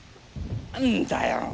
何だよ